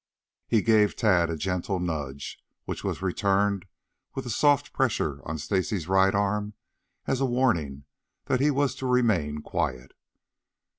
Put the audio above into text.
He gave Tad a gentle nudge, which was returned with a soft pressure on Stacy's right arm as a warning that he was to remain quiet.